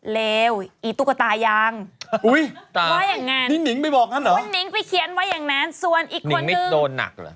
เลวอีตุ๊กตายังว่าอย่างนั้นคุณนิ่งไปเขียนว่าอย่างนั้นส่วนอีกคนนึงนิ่งไม่โดนหนักเหรอ